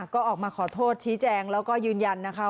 ก็ออกมาขอโทษชี้แจงแล้วก็ยืนยันนะคะ